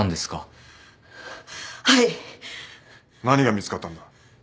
何が見つかったんだ？